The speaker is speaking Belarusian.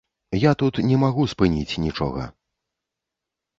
Я тут не магу спыніць нічога.